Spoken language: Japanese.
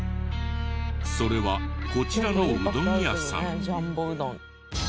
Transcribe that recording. それはこちらのうどん屋さん。